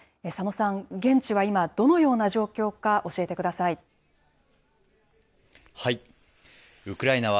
佐野さん、現地は今、どのような状況か、教えてください。